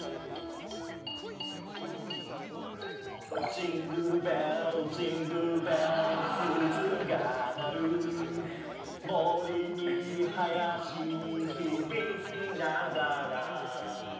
「ジングルベルジングルベル鈴がなる」「森に林に響きながら」